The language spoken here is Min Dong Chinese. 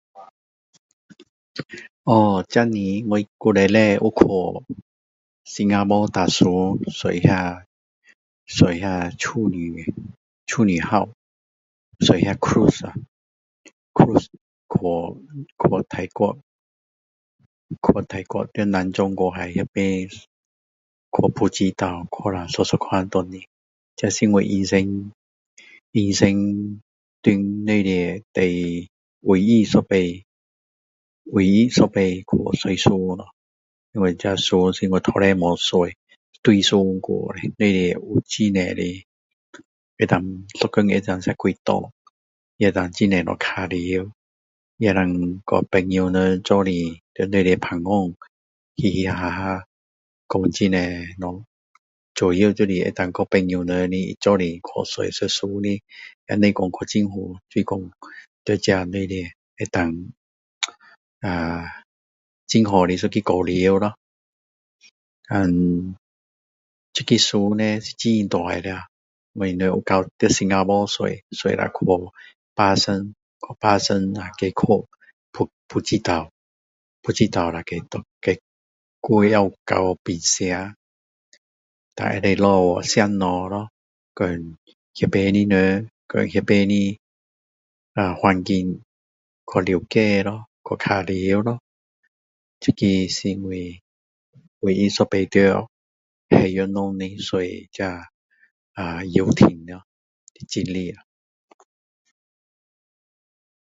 哦是的我以前有去新加坡搭船坐那坐那处女号坐那cruise去泰国去泰国在南中国海那边去普吉岛去了转一圈回来这是我这是我一生一生中里面唯一一次唯一一次去坐船哦这船是我从来没坐大船那边有很多的一天可以吃几餐也可以也有很多东西好玩也可以和朋友们一起谈天嘻嘻哈哈说很多东西主要就是可以和朋友们一起去坐船的也不用说需要去很远就是说只需要在自己这里能够啊很好的一个交流咯然后这个船叻是很大的啊我们能够去坐可以去巴生去巴生了再去普吉岛普吉岛还也有到槟城然后可以下去吃东西咯和这边的人和那边的环境去了解咯去玩咯这个是我唯一一次在海中的坐游艇的经历咯